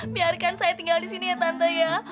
biarkan saya tinggal di sini ya tante ya